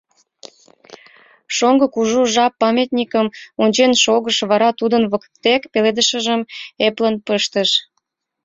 Шоҥго кужу жап памятникым ончен шогыш, вара тудын воктек пеледышыжым эплын пыштыш.